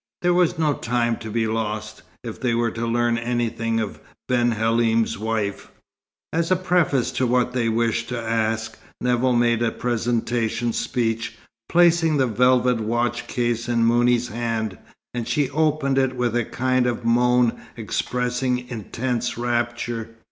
There was no time to be lost, if they were to learn anything of Ben Halim's wife. As a preface to what they wished to ask, Nevill made a presentation speech, placing the velvet watch case in Mouni's hand, and she opened it with a kind of moan expressing intense rapture.